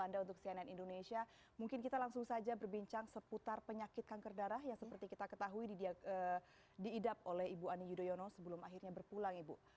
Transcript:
anda untuk cnn indonesia mungkin kita langsung saja berbincang seputar penyakit kanker darah yang seperti kita ketahui diidap oleh ibu ani yudhoyono sebelum akhirnya berpulang ibu